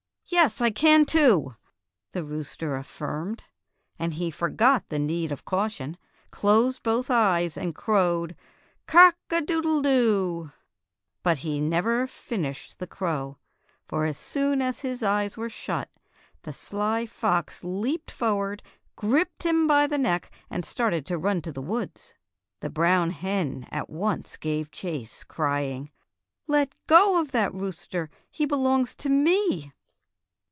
''Yes I can, too," the rooster affirmed, and he forgot the need of caution, closed both eyes, and crowed, " Cock a doodle —" But he never finished the crow, for as soon as his eyes were shut, the sly fox leaped for ward, gripped him by the neck and started to run to the woods. The brown hen at once gave chase, crying: "Let go of that rooster! He belongs to me!"